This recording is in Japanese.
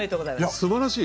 すばらしい！